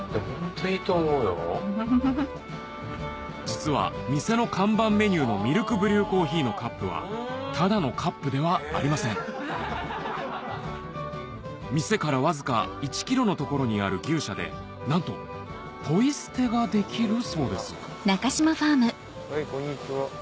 実は店の看板メニューのミルクブリューコーヒーのカップはただのカップではありません店からわずか１ｋｍの所にある牛舎でなんとポイ捨てができるそうですはいこんにちは。